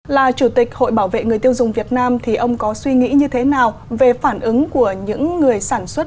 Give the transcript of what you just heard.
là chủ tịch hội bảo vệ người tiêu dùng việt nam thì ông có suy nghĩ như thế nào về phản ứng của những người sản xuất